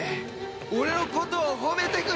俺のことを褒めてくれ！